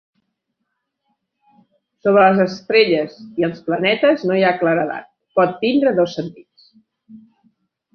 Sobre les estrelles i els planetes no hi ha claredat. Pot tindre dos sentits.